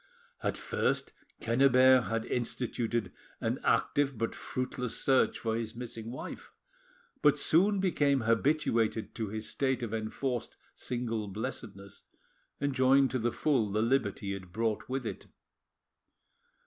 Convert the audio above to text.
At first Quennebert had instituted an active but fruitless search for his missing wife, but soon became habituated to his state of enforced single blessedness, enjoying to the full the liberty it brought with it.